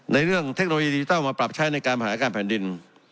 ในเรื่องเทคโนโลยีดิจิทัลมาปรับใช้ในการบริหารการแผ่นดิน